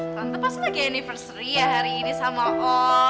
tante pas lagi anniversary ya hari ini sama om